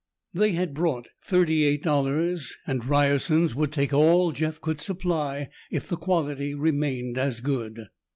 They had brought thirty eight dollars and Ryerson's would take all Jeff could supply if the quality remained as good.